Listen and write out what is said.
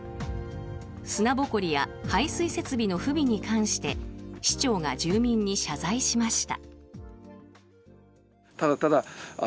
砂ぼこりや排水設備の不備に関して市長が住民に謝罪しました。